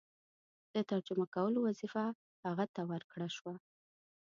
د ترجمه کولو وظیفه هغه ته ورکړه شوه.